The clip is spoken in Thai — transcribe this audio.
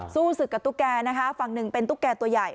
สู้ศึกกับตุ๊กแกนะคะฝั่งหนึ่งเป็นตุ๊กแก่ตัวใหญ่